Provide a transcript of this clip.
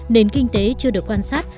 nền kinh tế chưa được quan sát